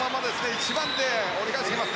１番手で折り返してきます。